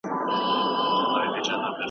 په کابل کي د صنعت لپاره قوانین څنګه عملي کېږي؟